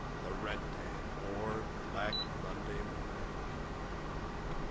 THE RENT DAY; OR, BLACK MONDAY MORNING.